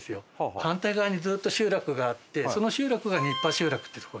反対側にずっと集落があってその集落が新羽集落って所。